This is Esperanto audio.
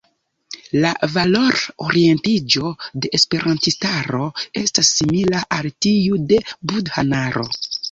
La valor-orientiĝo de esperantistaro estas simila al tiu de budhanaro.